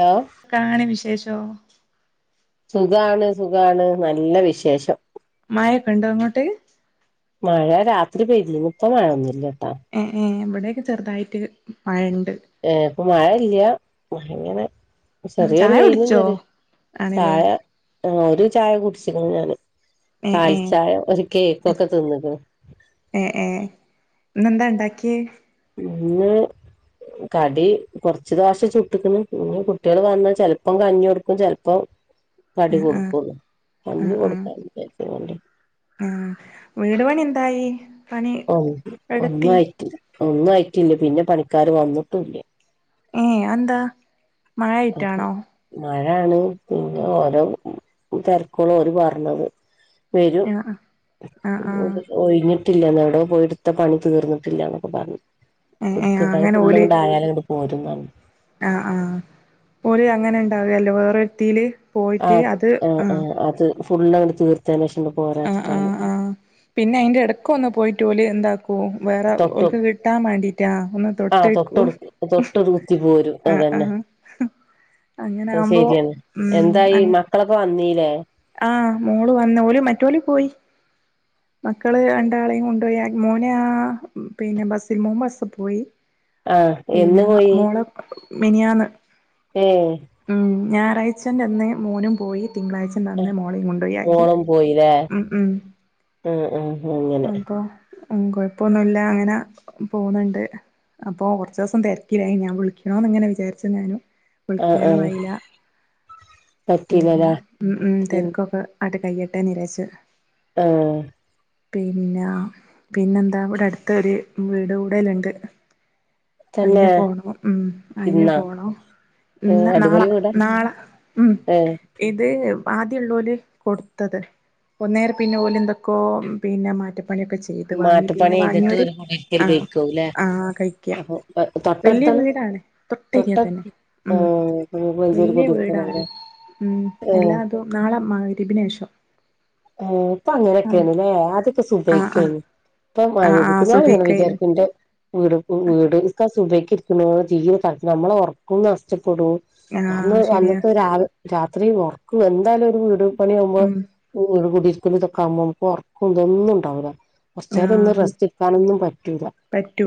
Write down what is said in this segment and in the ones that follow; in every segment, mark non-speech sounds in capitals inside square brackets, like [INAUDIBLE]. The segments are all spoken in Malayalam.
ഹലോ? കാണി വിശേഷോ? സുഖാണ് സുഖാണ് നല്ല വിശേഷം. മഴൊക്കെ ഇണ്ടോ അങ്ങോട്ട്? മഴ രാത്രി പെയ്തിന്നു ഇപ്പ മഴയൊന്നുല്ല ഏഹ് ഏഹ് ഇവെടെയെക്കെ ചെറുതായിട്ട് മഴ ണ്ട് ഏഹ് ഇപ്പ മഴയില്യാ പ്പങ്ങനെ ചെറിയൊരു ചായ വെയിലും കുടിച്ചോ ചെറി ആണ്ല്ലേ ചായ ആ ഒര് ചായ കുടിച്ച്ക്ക്‌ണ് ഞാന് ഏ ഏ കാലി ചായ ഒരു കേക്കെക്കെ തിന്ന്ക്ക്‌ണ് ഏഹ് ഏഹ് ഇന്നെന്താ ണ്ടാക്ക്യേ ഇന്ന് കടി കൊർച്ച് ദോശ ചുട്ട്ക്ക്‌ണ് പിന്നെ കുട്ട്യാള് വെന്നാ ചെൽപ്പം കഞ്ഞി കൊട്ക്കും ചെൽപ്പം കടി ആ കൊടുക്കും ആ കഞ്ഞി കൊടുക്കാ [UNINTELLIGIBLE] ആഹ് വീട് പണി എന്തായി പണി ആഹ് ഒന്നു എവിടെത്തി ആയിറ്റില്ല ഒന്നും ആയിറ്റില്ല പിന്നെ പണിക്കാര് വന്ന്ട്ടുല്ല ഏഹ് അതെന്താ അത് മഴയായിട്ടാണോ മഴാണ് പിന്നെ ഓരോ തെരെക്കൂന്ന ഓര് പർഞ്ഞത് വെരും ആ ആ ആ ഇങ്ങോട്ടേക്ക് ഒയ്ഞ്ട്ട്ല്ലന്ന് അവടെ പോയി ട്ത്ത പണി തീർന്നിട്ടില്ലാന്നൊക്കെ പർഞ് ഏ ഏ ഇട്ത്ത്ക്കാണ്ട് അങ്ങനെ ഫുള്ള്ങ്ങട്ടായാല് ഇങ്ങട്ട് പോരും ന്ന് പർഞ് ആഹ് ആഹ് ഓല് അങ്ങൻണ്ടാവല്ലോ വേറൊര്ത്തില് ആഹ് അത് ആഹ് ആഹ് അത് ഫുളളങ്ങട്ട് തീർത്തേന് ശേഷം ഇങ്ങട്ട് ആഹ് ആഹ് പോരാച്ച്ട്ടാണത് ആഹ് പിന്നെ അയ്ൻ്റെടയ്ക്കൊന്ന് പോയിട്ടോല് എന്താ പോവും വേറെ തൊട്ട് ഓൽക്ക് കിട്ടാൻ വാണ്ടിട്ടാ ഒന്ന് ആ തൊട്ടേക്കും തൊട്ടടു തൊട്ടൊരു കുത്തി പോരും ആ ആ അതന്നെ അത് ശെരിയാണ് എന്തായി മക്കളൊക്കെ വന്നീലേ ആ മോള് വന്ന് ഓല് മറ്റോല് പോയി മക്കള് രണ്ടാളേം കൊണ്ടോയി മോന പിന്നെ ബസ്സില് മോൻ ബസ്സ് പോയി ആ എന്ന് പിന്നെ പോയി മോളെ മിനിയാന്ന് ഏ ഉം ഞായറാഴ്ച്ചന്റന്ന് മോനും പോയി തിങ്കളായ്ച ച്ചന്റന്ന് മോളേം കൊണ്ടോയാക്കി ഉം ഉം അ അ അങ്ങനെ അപ്പൊ ഉം കൊഴപ്പൊന്നുല്ല അങ്ങന പോന്ന്ണ്ട് അപ്പോ കൊർച്ചുസം തെരക്കിലായി ഞാൻ വിളിക്കണോന്ന്ങ്ങനെ വിചാരിച്ചന്നേനു ആ ആ വിളിക്കാനും ആയില്ല പിന്നെ പറ്റീലല്ലേ ഉം ഉം തെര്ക്കൊക്കെ അട്ട് കയ്യെട്ടെ നിരെച്ച് ആഹ് പിന്നെ പിന്നെന്താ ഇവെടട്ത്തൊരു വീട് കൂടെല്ണ്ട് തന്നെ അയ്ന് പോണം ഉം അയ്ന് ഇന്നാ പോണം ഏഹ് ഇന്ന് നാളെ അടിപൊളി വീടാ നാളെ ഉം ഏഹ് ഇത് ആദ്യള്ളോല് കൊട്ത്തത് ഒന്നേരം പിന്നെപ്പോലെന്തെക്കോ പിന്നെ മാറ്റപ്പണിയൊക്കെ ചെയ് ചെയ്ത് വാങ്ങി പിന്നെ മാട്ടുപ്പണി ചെയ്തിട്ട് വാങ്യോര് ഒരു കുടിരിക്കല് ആ കഴിക്കാവുല്ലേ ആ കഴിക്ക അപ്പൊ വെല്യ തൊട്ടടുത്താണ് വീടാണ് തൊട്ട തൊട്ടെരിയത്തെന്നെ ഉം ആഹ് മഞ്ചേരി വെല്യ വീടാണ് കുടിരിക്കലാവുല്ലേ ഉം ഏഹ് എല്ലാതും നാളെ മഗ്രിബിനേഷം ആ പ്പങ്ങനൊക്കേണ് ലെ ആദ്യൊക്കെ ആഹ് ആഹ് സുബഹിക്കേന്നു ആഹ് ഇപ്പ ആഹ് [UNINTELLIGIBLE] ഞ ങ്ങനെ സുബഹിക്കയിന് വിചാരിക്കും ന്റെ വീട് വീട് [UNINTELLIGIBLE] സുബ്ഹിക്ക്‌ ഇരിക്ക്ണത് തീരെ താൽപര്യല്ല നമ്മളെ ഒർക്കും നഷ്ടപ്പെടൂ അന്ന് ആഹ് ശരിയാ അന്നത്തെ രാത്രി ഉറക്കും എന്തായാലും ഒരു വീട് പണിയാവുമ്പോ ഉം വീട് കുടിരിക്കുന്ന ഇതക്കെ ആുമ്പോ ഉറക്കും ഇതൊന്നും ഉണ്ടാവില്ല കുറച്ചാരം ഒന്നും ആഹ് റെസ്റ്റ് ഇക്കാനൊന്നും പറ്റൂല്ല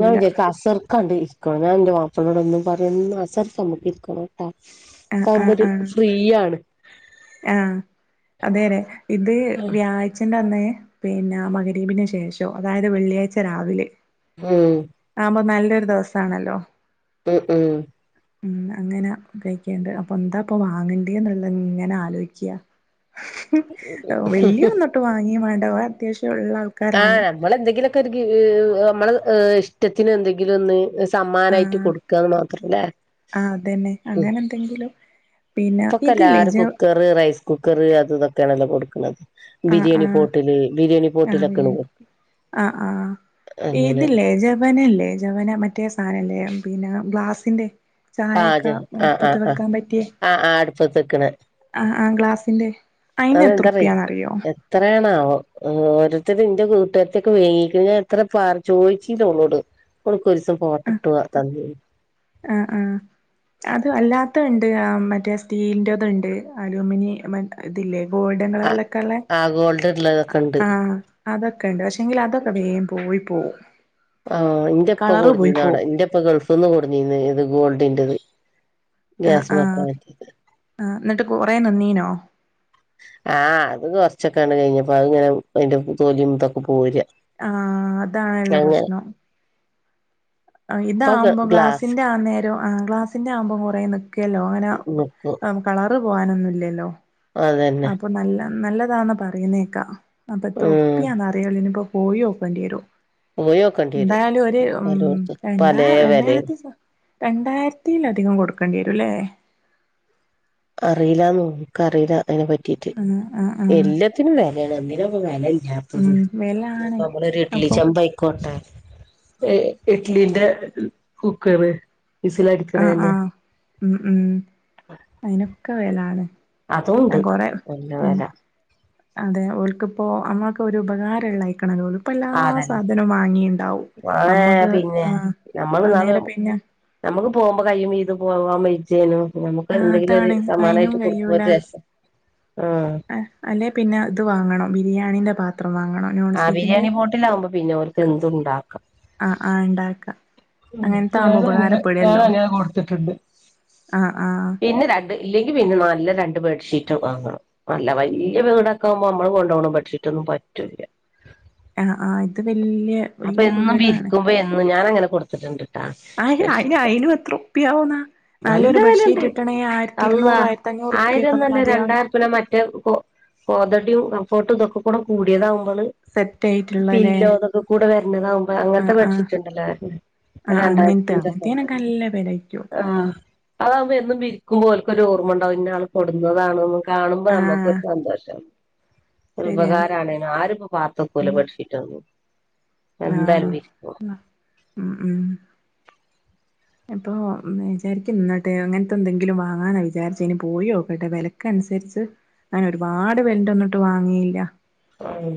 ഞാൻ വിജാരിക്കും കണ്ട ഇരിക്കണം ഞാൻ ഇന്റെ മാപ്പളനോട് ഒന്നും പറയന്ന് ആസർക്ക് നമുക്ക് ഇരിക്കണ ആഹ് അതാവ് ആഹ് പത് ആഹ് ഫ്രീയിണ്ട് ആഹ് അതെല്ലെ ഇത് ഉം വ്യ ച്ഛന്റെ അന്ന് പിന്നെ മകരീബിനന് ശേഷോ അതായത് വെള്ളിയാഴ്ച രാവിലെ ഉം ആതാവുമ്പോ നല്ലൊരു ദിവസആണല്ലോ ഉം ഉം ഉ അങ്ങനെ കഴിക്കണ്ട് അപ്പൊ എന്താ ഇപ്പൊ വാങ്ങേണ്ടി എന്നല്ലത് ഇങ്ങനെ വലിയന്നൊട്ട് വാങ്ങിയ വേണ്ട അത്യാവശ്യം ഉള്ള ആ ആൾക്കാരാണ് നമ്മളെന്തെങ്കിലുമൊക്കെ ഒരു നമ്മളെ ഇഷ്ടത്തിനന് എന്തെങ്കിലും ഒന്ന് സമ്മാനായിട്ട് ആഹ് കൊടുക്കുകന്ന് മാത്രംല്ലേ ആഹ് അതന്നെ അങ്ങനെ എന്തെങ്കിലും പിന്നെ ഇപ്പൊക്കെ ഇത് ല്ലെ എല്ലാരും കുക്കറ് റൈസ് കുക്കറ് അത് ഇതൊക്കെയാണല്ലോ കൊടുക്കണുന്നത് ആഹ് ബിരിയാണി ആഹ് പോട്ടില് ബിരിയാണി ആഹ് പോട്ടിലൊക്കെ ബിരിയാണി ആഹ് ആഹ് ഇതില്ലേ ജ വന ജവനല്ലേ ജവന മറ്റേ സാധനല്ലേ പിന്നെ ഗ്ലാസിന്റെ ചായയൊക്കെ പാചക ആഹ് ആഹ് എടുപ്പത്തെ ആഹ് വെക്കാൻ പറ്റിയ ആഹ് ആഹ് അടുപ്പത്ത് വെക്കണെ ആഹ് ആ ഗ്ലാസിന്റെ അയിന് എതൃുപ്പിയാന്ന്റിയോ എത്രയാണവോ ഓരോര്ത്തര് എന്റെ കൂട്ടുകാരത്തൊക്കെ വേങ്ങിക്ക ഞാൻ എത്ര പാർ ചോദിച്ചില്ലള്ളോട് ഒള്ൻക്കൊരിസം ഫോട്ടോ ആഹ് ഇട്ട് തന്നീന്നു ആഹ് ആഹ് അത് അല്ലാത്ത ഉണ്ട് മറ്റേ സ്റ്റീലിന്റെതുണ്ട് അലൂമിനി ഇതില്ലേ ഗോൾഡൻ ആഹ് കളറിലൊക്കെ ഇള്ളെ ആഹ് ഗോൾഡുലത്ത് ആഹ് അതൊക്കെ ഉണ്ട് പക്ഷെങ്കിൽ അതൊക്കെ വേം പോയി പോവും ആഹ് ഇന്റെപ്പ കളറ് പോയി കൊടഞ്ഞീന്നാടാ പോവും ഇന്റെപ്പ ഗൾഫ് നിന്ന് കൊടന്നീന്ന് ഇത് ഗോൾഡിൻറത് ആഹ് ആഹ് ആ എന്നിട്ട് കുറേ നിന്നിനോ ആഹ് അത് കൊറച്ചൊക്കെയാണ് കഴിഞ്ഞപ്പോ അത് ഇങ്ങനെ അതിന്റെ തോലിയ ഇതൊക്കെ പോര്യ ആഹ് അതാണ് ഇള്ള പ്രശ്നം ഇപ്പൊ ഇതാവുമ്പോ ഗ്ലാസ് ഗ്ലാസ്സിന്റെ ആന്നേരം ആഹ് ഗ്ലാസിന്റെ ആകുമ്പോം കുറേ നിൽക്കയല്ലോ അങ്ങനെ നിക്കും കളറ് പോകാനൊന്നുമല്ലല്ലോ അതന്നെ അ നല്ല നല്ലതാണെന്ന് പറയുന്നേക്കാ അപ്പൊ എത്ര ഉം ഉറപ്പിയാ ഇതേനി ഇപ്പോ പോ യോക്കേണ്ടി വരോ പോയോക്കേണ്ടി വരും എന്തായാലും ഒരു ഉ പലോട്ത്തും പലേ രണ്ടായി വെലേണ് രണ്ടായിരത്തി സം രണ്ടായിരത്തിയിലധികം കൊടുക്കേണ്ടി വരും അല്ലേ അറിയില്ലന്ന് നോക്ക അറിയില്ല അതിനെ പറ്റീട്ട് ആഹ് ആഹ് ആഹ് എല്ലാത്തിനും വിലയാണ് എയ് നാപ്പം വെല ഇല്ലാതെ ഞാപ്പൊരു ഉം വെലാണ് നമ്മളൊ ഒരു ഇഡ്ലി അപ്പൊ ചെമ്പ് കോട്ട ഇഡ്ലിന്റെ കുക്കറ് വിസ് ല് വരുന്നേ ആഹ് ആഹ് ഉം ഉം അതിനൊക്കെ വെലാണ് ഞാൻ അതുണ്ട് കൊറെ നല്ല ഉ വെല അതെ ഓൽക്കുപ്പോ അമ്മക്ക് ഒരു ഉപകാരള്ള അയക്കണല്ലോ ഇപ്പ എല്ലാ ആ അതന്നെ സാധനവും വാങ്ങിണ്ടാവും നാളെ അമ്മക്ക് പിന്നെ നമ്മള് ആ നാള് നേരെ പിന്നെ നമുക്ക് പോകുമ്പോ കയ്യും വീതെ പോവാൻ വേച്ചേനു നമുക്ക് ആഹ് എന്തെങ്കിലും ഒരു അതാണ് അയിനും സമ്മാനയിട്ട് കൊടുക്കുമ ഒരു രസം ആ ആ അല്ലേ പിന്നെ ഇത് വാങ്ങണം ബിരിയാണീൻ്റെ പാത്രം വാങ്ങണം നോൺ ആ സ്റ്റിക്കിന്റെ ബിരിയാണി പോട്ടിലാവുമ്പോ പിന്നെ ഓൽക്ക് എന്തു ഇണ്ടാക്കാം ആഹ ആഹ ഇണ്ടാക്കാം ഉ ഞൻ അങ്ങനെ ഞാൻ അങ്ങനെ കൊടുത്തിട്ടുണ്ട് ആഹ് ആഹ് പിന്നെ രണ്ട് ഇല്ലെങ്കിൽ പിന്നെ നല്ല രണ്ട് ബെഡ്ഷീറ്റക്കെ വാങ്ങണം നല്ല വലിയ വീടാക്കാവുമ്പോ നമ്മള് കൊണ്ടോന്ന ബെഡ്ഷീറ്റ് ഒന്നും പറ്റൂല്ല ആഹ ആഹ ഇത് വല്യ അപ്പൊ വല്യ എന്നും വീടാണ് വിരിക്കുമ്പോ എന്നും ഞാൻ അങ്ങനെ കൊടുത്തിട്ടുണ്ട് ട്ടാ ആ അയി ബെഡ്ഷീറ്റൊക്കെ അയിനും എത്രരുപായ ആവുന്നാ നല്ല നല്ലൊരു വിലയുണ്ട് ബെഡ്ഷീറ്റ് കിട്ടണെങ്കിൽ ആയിരത്തി അള്ളാ ഇരുന്നൂറ് ആയിരത്തി അഞ്ഞൂറ്റുപ്പിയൊക്ക ഒന്ന് ആയിരംന്നല്ല മതിയാവൂല രണ്ടായിരം റുപ്യന മറ്റേ കോ കോതടിയും കംഫോർട്ടും ഇതൊക്കെ കൂടിയതാകുമ്പോള് സെറ്റ് ആയിട്ടുള്ളല്ലേ പില്ലോ അതൊക്കെ കൂടെ വരണതാകുമ്പോ അങ്ങനത്തെ ആഹ് ആഹ് ബെഡ്ഷീറ്റ് ഉണ്ടല്ലോ അഹ് ആഹ് അങ്ങനത്തെ രണ്ടായിരത്തിന്റെ ഒക്കെണ്ട്‌ അങ്ങനത്തേനൊക്കെ നല്ല വെലയായിരിക്കും ആഹ അതാകുമ്പോ എന്നും വിരിക്കുമ്പോ ഒല്ക്കൊ ഒരു ഓർമ്മ ഇണ്ടാവകും ഇന്ന ആൾ കൊടുന്നതാണ കാണുമ്പോ നമുക്കൊരു ആഹ് സന്തോഷം ഒരു ശരിയാ ഉപകാരണെന്നും ആരുംപ്പോ പാത്തക്കുല ബാഡ്ഷീറ്റൊന്നും ന്നഹ ന്ന ഉ ഉ ഇപ്പൊ വിചാരിക്കും നിന്നിട്ട് അങ്ങനത്തെ എന്തെങ്കിലും വാങ്ങാാന വിചാരിച്ച ഇന് പോയോക്കട്ടെ വിലക്ക അനുസരിച്ച് ഞാൻ ഒരുപാട് വെല്ലെന്റോണിറ്റും ന്നും വാങ്ങിയില്ല ആഹ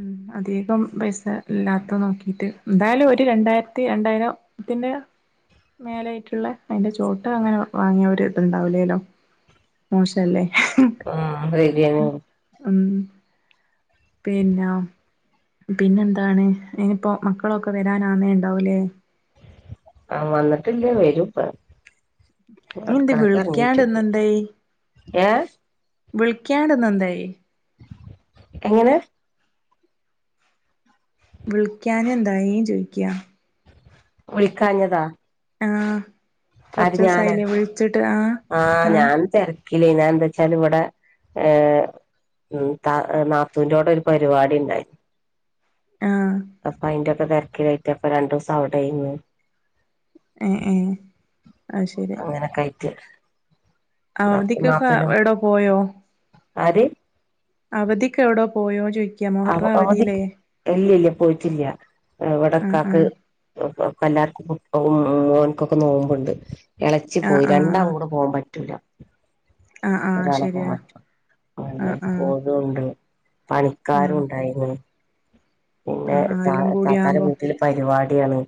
ഉ അധികം പൈസ ഇല്ലാത്ത നോക്കിട്ട് എന്തായാലും ഒരു രണ്ടായിരത്തി രണ്ടായിരം പിന്നെയ മേല ആട്ടുള്ള അയിന്റെ ചോട്ട് അങ്ങനെ വാങ്ങിയവര് ഇത്ണ്ടാവില്ലേല്ലോ മോശല്ലേ ഹ് ആഹ ശരിയാന്നെന്ന് ഉം പിന്നെ പിന്നെന്താണ് ഇനിയിപ്പോ മക്കളൊക്കെ വരാനാന്നേ ഉണ്ടാവൂലേ ആഹ വന്നിട്ടില്ല വരുംപ്പ ഇ എന്ത് വിളിക്കാണ്ട്ന്ന എന്തേ ഏഹ വിളിക്കാണ്ടന്ന എന്തായി എങ്ങനെ വിളിക്കാന എന്തായി ചോദിക്കാ വിളിക്കാഞ്ഞതാ ആഹ കുറച്ച ദിവസമായില്ലേ വിളിച്ചിട്ട് ആ ആഹ ഞാൻ തിരക്കില്ലേന്നു ഞാൻ എന്താ വച്ചാൽ ഇവിടെ ഏ [UNINTELLIGIBLE] നാത്തൂന്റോടെ ഒരു പരിപാടി ഇണ്ടായി ആഹ അപ്പൊ അതിന്റെക്കെ തിരക്കിലായിട്ട് അപ്പൊ രണ്ടു ദിവസം അവിടെ ഇന്ന് ഏ ഏ അങ്ങനെക്കേ ആയിട്ട് അവധിക്കൊക്കെ നാത്തൂനും എവിടോ പോയോ ആര് അവധിക്കെവടോ പോയോ ചോയി? അവ അവധിക് ഇല്ല ല്ല്യ പോയിട്ടില്ല ആഹ് ഇവടക്കാക്ക്. ആഹ് എല്ലാർക്കും മൊ മോൻ കൊക്കെ നോമ്പുണ്ട്. എളച്ചി ആഹ് പോയി രണ്ടാം ആഹ് കൂടെ പോകാൻ പറ്റൂല. ആഹ് ആഹ് ഒരാള പോവം ശരിയാ പറ്റു അപ്പൊ പിന്നെ ആഹ് ആഹ് ഓലും ണ്ട് പണിക്കാരും ആഹ് ണ്ടായിരുന്നു. പിന്നെ ആഹ് ആഹ് ത എല്ലാം കൂടി താത്താരെ ആവുമ്പോ വീട്ടിൽ പരിപാടിയാണ്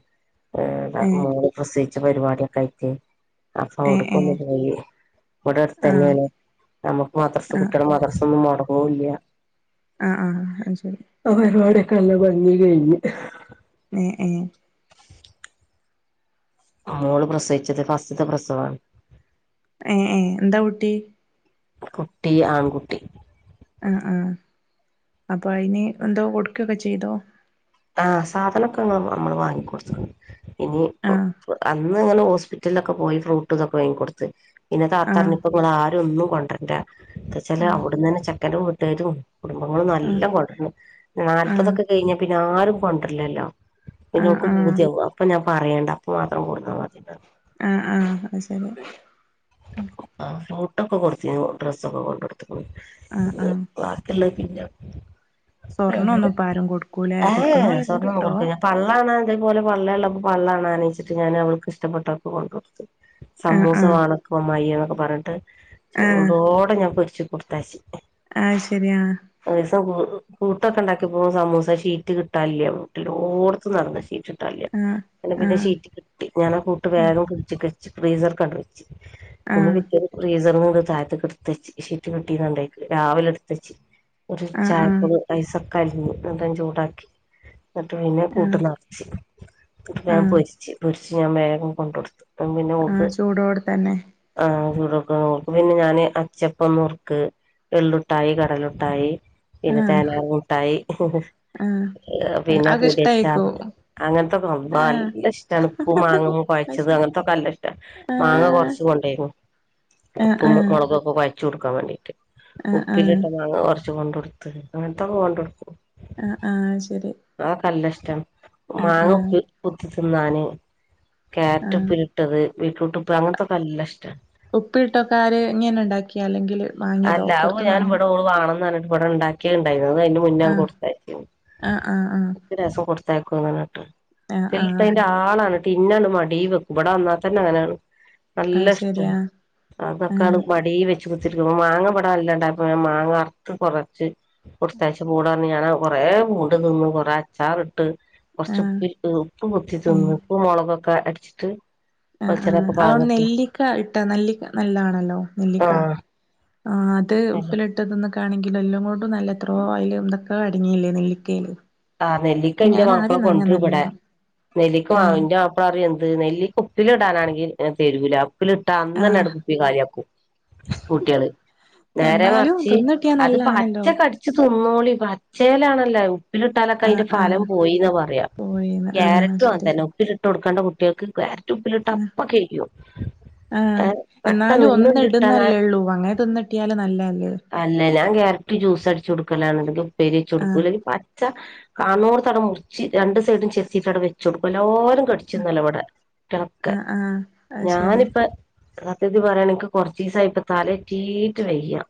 ഏ ന്ത ഏഹ് മോള് പ്രസവിച്ച പരിപാടിയൊക്കെ ആയിട്ടെയ് അപ്പൊ ഏഹ് അവിടുക്കൊന്ന് ഏഹ് പോയി ആഹ് ഇവിടെടുത്തന്നെണ്. നമുക്ക് മദർസ് ആഹ് കുട്ടെളെ മദ്രസൊന്നും മൊടങ്ങൂല്ല ആഹ് ആഹ് അത് ശരി അപരിപാടിയോക്കെല്ല ഭംഗില് കഴിഞ്ഞ് ഏ ഏ മോള് പ്രസവിച്ചത് ഫസ്റ്റ്ത്ത പ്രസവാണ്. ഏ ഏ എന്താ കുട്ടി കുട്ടി ആൺകുട്ടി ആ ആ അപ്പോ അയിന് എന്തോ കൊടുക്കക്കെ ചെയ്തോ? ആഹ് സാധനൊക്ക മ്മള് വാങ്ങി ക്കൊടുത്ത്ക്ക്ണ് ഇനി ആഹ് അന്ന് ങ്ങനെ ഹോസ്പിറ്റലിലൊക്കെ പോയി ഫ്രൂട്ട് തൊക്കെ വാങ്ങി കൊടുത്ത്. പിന്നെ ആഹ് താത്താറിഞ്ഞു ഇപ്പം ങ്ങളാരും ഒന്നും കൊണ്ട്രണ്ട ന്ത ച്ചാല് ആഹ് അവിടന്നന്നെ ചെക്കനും വീട്ടേരും കുടുംബങ്ങള് നല്ല ആഹ് കൊണ്ട്രണ്. ആഹ് നാല്പതൊക്കെ കെയിഞ്ഞാ പിന്നെ ആരും കൊണ്ട്രലില്ല. ആഹ് പിന്നോൾക്ക് ആഹ് പൂതിയാവും അപ്പൊ ഞാൻ പറയണ്ട അപ്പൊ മാത്രം കൊടുന്നാൽ മതി ആ ആഹ് അത് ശരി ആ ഫ്രൂട്ടൊക്കെ കൊടുത്തിനു ഡ്രസ്സൊക്കെ കൊണ്ടടുത്തുകുണു ആ ആ ഇള്ളത് തിഞ്ഞാ സ്വർണ്ണം ഒന്നും പ്പാരും കൊടുക്കൂലാലോ ഏഹ് കൊടുക്കുന്നോല്ണ്ട് സ്വർണ്ണം ഒന്നും ട്ടോ? കൊടുക്കൂല പള്ളാണാൻ തേപോലെ പള്ളേല് ള്ളപ്പോ പള്ളാണാന്ച്ചിട്ട് ഞാനവൾക്ക് ഇഷ്ടപ്പെട്ടൊെ കൊണ്ടു കൊടുത്തു - ആഹ് സമൂസ ആഹ് വാണക്ക മ്മായേന്നൊക്കെ പറഞ്ഞിട്ട് ആഹ് ചൂടോടെ ഞാൻ പൊരിച്ച് കൊടുത്തായച്ച്. ആഹ് ശരിയാണ് ഒരീസം കൂട്ടൊക്കെ ണ്ടാക്കി പോകും സമൂസക്കെ ഷീറ്റ് കിട്ടാല്ല്യ വീട്ടിലോ ഓടത്ത് നടന്ന് ഷീറ്റ് കിട്ടാല്ല്യ. ആഹ് അങ്ങനെ പിന്നെ ആഹ് ഷീറ്റ് ക ഞാന ആ കൂട്ട് വേഗം കുടിച്ച കഴിച്ച് ഫ്രീസർ കൻങ്ങട് വെച്ച് ഒന്ന് ആഹ് ഫ്രീസറിന്ന്ങ്ങട്ട് തായത്തക്ക് ട്ത്ത്ച്ച് ഷീറ്റ് കിട്ടിന്നണ്ടയ്ക്ക് രാവിലെ എടുത്തച്ച് ഒരു ച ആഹ് ആഹ് ഐസൊക്ക അലിഞ്ഞു ന്നട്ടാണ്ട് ചൂടാക്കി ന്നിട്ട് പിന്നെ ആഹ് കൂട്ട് നിറച്ച് ഇട്ട് ഞാൻ ആഹ് പൊരിച്ച്. പൊരിച്ച് ഞാൻ വേഗം കൊണ്ടോടുത്തു. അ പിന്നെ ഓക്ക് ആഹ് ചൂടോടെ തന്നെ ആഹ് ചൂടൊക്കെ ഓൾക്ക് പിന്നെ ഞാന് അച്ചപ്പ മുറുക്ക് എള്ളുട്ടായി കടലുട്ടായി പിന്നെ ആഹ് തേനാ മുട്ടായി ആഹ് പിന്നെ അതൊക്കെ പുളിച്ചാറ് ഇഷ്ടായിക്കും അങ്ങനത്തൊക്കെ ള്ളാ ആഹ് നല്ല ഇഷ്ടാണ് പൂ മാങ്ങ അത് കൊയച്ചത് ശരി അങ്ങനത്തൊക്കെ അല്ല ഇഷ്ട. മാങ്ങ ആഹ് കൊറച്ച് കൊണ്ടെയ്ന്നു ആഹ് പ്പും ആഹ് മുളകൊക്കെ കൊയ കൊയചചൊടുക്കാൻ വേണ്ടിട്ട്. ആഹ് ആഹ് ഉപ്പിലിട്ട മാങ്ങാ കൊറച്ച് കൊണ്ടടുത്ത് അങ്ങനത്തൊക്കെ കൊണ്ടടുക്കും. ആ ആഹ ശരി ആ കല്ലഷ്ട്ടാണ് ആഹ് മാങ്ങ ആഹ് ഉപ്പിലിട്ട് കുത്തി ത്തിന്നാന്. കേരറ്റ് ആഹ് ഉപ്പിലിട്ടത് വീറ്റ്റൂട്ട് പ്പാങ്ങ അങ്ങനത്തൊക്കല്ലാഷ്ടാണ്. ഉപ്പിലിട്ടൊക്കാര് ഇങ്ങനെ ണ്ടാക്ക ക്കെ അല്ലെങ്കില് [UNINTELLIGIBLE] അല്ല അ പുറത്തുന്ന് ഞൻ വാങ്ങിയ ഇവടെ ഓള് വാണന്നറഞ്ഞിട്ട് വടെ ണ്ടാക്കി ക്കണ്ടായിന് അത് അയിന്റെ മുന്നേ ആഹ് കൊടുത്തയച്ച്. ആഹ് ആഹ് ആഹ് ഒരസം കൊടുത്തയക്കുംന്ന്ട്ട് ആഹ് ആഹ് ഫിൾടെന്റെ ആളാണ് തിന്നാണ് മടി വെക്കും. ഇവിടെ വന്നാ തന്നെ അങ്ങനെയാണ്. നല്ല അത് ഇഷ്ട്ടാണ് ശരിയാ ആഹ് അതൊക്കാണ് മടി വെച്ച്കു മാങ്ങ ഇബിടെ അല്ലാണ്ട അപ്പ മാങ്ങ അറുത്ത് കുറച്ച് കൊടുത്തയച്ച് പൂടഞ്ഞെയാണ് കൊറെ പൂണ്ട് തിന്നു കൊറേ അച്ചാറിട്ട് കുറച്ച് ആഹ് ഉപ്പിലിട്ട് ഉപ്പ് പുത്തി തിന്ന് ഏഹ് ഉപ്പ് മുളകൊക്കെ അടിച്ചിട്ട് ആ ആ വെളിച്ചെണ്ണൊക്കെ അതുകൊണ്ട് പാർന്നിട്ട് നെല്ലിക്ക ഇട്ടത് നെല്ലിക്ക നല്ലതാണല്ലോ നെല്ലിക്ക ആഹ് ആ ഇത് നല്ല ഉപ്പിലി ഇട്ടത് തിന്നെ കാണെങ്കിൽ എല്ലാം കൊണ്ടും നല്ല എത്രയേ അതില്എന്തൊക്കെ അടങ്ങിയില്ലേ നെല്ലിക്കയില്. ആ നെല്ലിക്ക എന്റെ ഞാൻ മാപ്പിള ആദ്യം നനഞ്ഞ കൊണ്ടറും ഇവിടെ. നല്ലോണം നെല്ലിക്ക മാ ആഹ് എന്റെ അപ്പറിയ എന്ത് നെല്ലിക്ക ഉപ്പിലിടാ നാണെങ്കിൽ തരൂല. ഉപ്പിലിട്ടാ അന്ന് തന്നെ അങ്ങട് ആഹ് കുപ്പി കാലിയാക്കും. കുട്ടികള് നേരെ എന്നാലും മറിച്ച് തിന്നിട്ടിയാ അത് നല്ലാണല്ലോ പച്ചക്ക് അടി ച്ച് തന്നോളി പച്ചേലാണല്ലോ ഉപ്പിലിട്ടാലൊക്കെ ആഹ് അതിന്റെ ആഹ് ഫലം പോയിന്നാപറയാ. പോയിന്ന് ആഹ് ക്യാരറ്റു അങ്ങനെ ശരി തന്നെ ഉപ്പി ഇട്ട് കൊടുക്കേണ്ട കുട്ടികൾക്ക് ക്യാരറ്റ് ആഹ് ഉപ്പിലിട്ടാഅപ്പം കഴിയും. ആഹ് എന്നാലും നാളെ ഒന്നിടുന്നല്ലേള്ളൂ അങ്ങനെ തിന്നുകിട്ടിയാനല്ലതല്ലേ. അല്ല ഞാൻ ക്യാരറ്റ് ജ്യൂസ് അടിച്ച് കൊടുക്കലാണ്. ഉപ്പേരി വെച്ചു കൊടുക്കും. ആഹ് അല്ല [UNINTELLIGIBLE] കാണേനോട്ത്തു മുറിച് രണ്ടു സൈടും ചേട്ടീട്ട് വെച്ചയ്ഡ്ക്കും എല്ലാരും കട് [UNINTELLIGIBLE] കുട്ട്യാളൊക്കെ ആഹ് ആഹ് അത് ശരി ഞാനിപ്പോ സത്യത്തിൽ പറയാണെങ്കി എനിക്ക് കുറചീസായിട്ട് തല ഇറ്റീയിട്ട് വയ്യാ.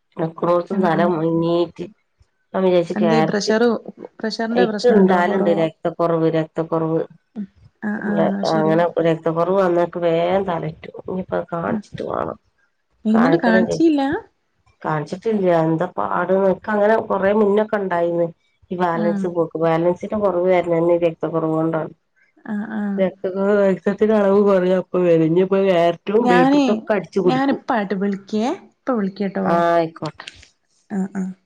[UNINTELLIGIBLE] നിക്കന്നോടട്ടും ആഹ് തല ആഹ് എന്തേ പ്രഷർ [UNINTELLIGIBLE] പ്രഷറിന്റെ ഇക്ക് പ്രശ്നണ്ടോ ഇണ്ടാലുണ്ട് കൊറവോ രക്തക്കുറവ് രക്തക്കുറവ്. അ ആ ആഹ് ശരി. രക്തക്കുറവ് വന്നൊക്കെ വേഗം തല ചുറ്റും ഇനിയിപ്പം അത് കാണിച്ചിട്ട് വേണം എന്നിട്ട് കാണിക്കണം വി കാണിച്ചില്ല കാണിച്ചിട്ടില്ല എന്താ പാട നിക്ക് അങ്ങനെ കൊറേ മുന്നൊക്കെ ഉണ്ടായിന്ന് ഈ ആഹ് ബാലൻസ് പോ ബാലൻസിന്റെ കുറവ് വരുന്നതന്നെ രക്ത കുറവ് കൊണ്ടാണ്. ആ ആഹ് [UNINTELLIGIBLE] ഞാനേ ഒക്കെ അടിച്ചു കുടിക്കും ഞാനിപ്പാ അങ്ങട്ട് വിളിക്കേ ഇപ്പ വിളിക്കട്ടോ. ആഹ് ആയിക്കോട്ടെ ആ ആ